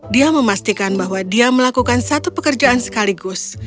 dia memastikan bahwa dia melakukan satu pekerjaan sekaligus